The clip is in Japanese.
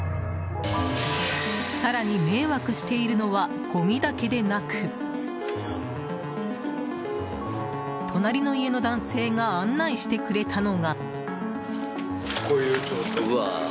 更に迷惑しているのはごみだけでなく隣の家の男性が案内してくれたのが。